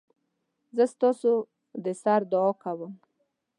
زه ستاسودسر دعاکوم